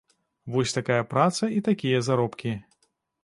Вось такая праца і такія заробкі.